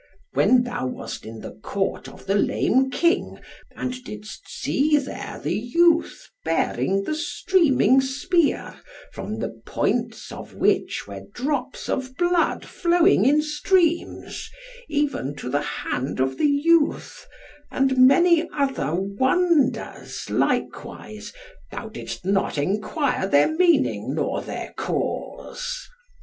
When thou wast in the Court of the Lame King, and didst see there the youth bearing the streaming spear, from the points of which were drops of blood flowing in streams, even to the hand of the youth, and many other wonders likewise, thou didst not enquire their meaning nor their cause.